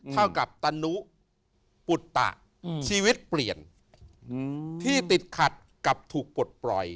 เท่ากับตนุปุตตะชีวิตเปลี่ยนที่ติดขัดกับถูกปลดปล่อย